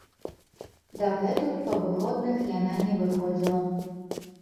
Дагэтуль па выходных яна не выходзіла.